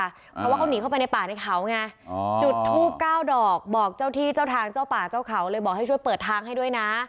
เพราะว่าเขาหนีเข้าไปในป่าในเขาไงจุดทูบ๙ดอกบอกเจ้าที่เจ้าทางเจ้าป่าเจ้าเขาเลยบอกให้ช่วยเปิดทางให้ด้วยนะ